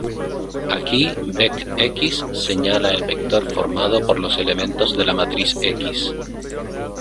Aquí, vec"X" señala el vector formado por los elementos de la matriz "X".